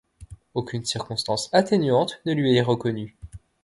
Aucune circonstance atténuante ne lui est reconnue.